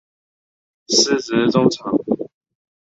司职中场。